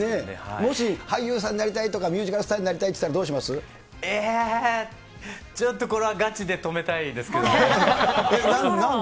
もし俳優さんになりたいとかミュージカルスターになりたいっえー、ちょっとこれはガチでなんで？